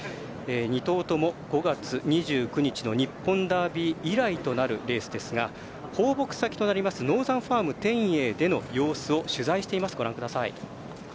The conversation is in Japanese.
２頭とも５月２９日の日本ダービー以来となるレースですが放牧先となりますノーザンファーム天栄での様子を取材しています。